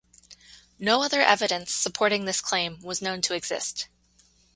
No other evidence supporting this claim was known to exist.